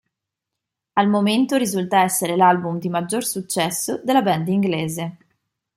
Al momento risulta essere l'album di maggior successo della band inglese.